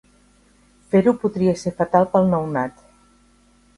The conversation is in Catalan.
Fer-ho podria ser fatal per al nounat.